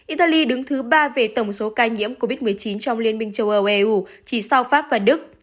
italy đứng thứ ba về tổng số ca nhiễm covid một mươi chín trong liên minh châu âu eu chỉ sau pháp và đức